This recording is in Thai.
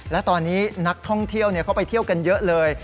และตอนนี้นักท่องเที่ยวเขาไปเที่ยวกันเยอะเลย